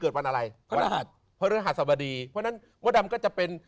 เกิดวันอะไรพระราหัสพระราหัสสบดีเพราะนั้นมดดำก็จะเป็น